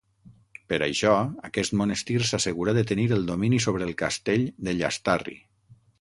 Per això aquest monestir s'assegurà de tenir el domini sobre el castell de Llastarri.